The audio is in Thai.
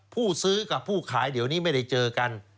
ผู้ซื้อกับผู้ขายเดี๋ยวนี้ไม่ได้เจอกัน